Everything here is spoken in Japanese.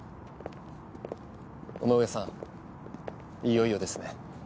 尾上さん、いよいよですね。